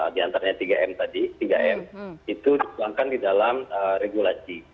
diantaranya tiga m tadi tiga m itu dilakukan di dalam regulasi